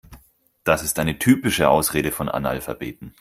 Das ist eine typische Ausrede von Analphabeten.